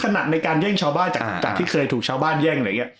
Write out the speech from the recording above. ถนัดในการแย่งชาวบ้านจากที่เคยถูกชาวบ้านแย่ง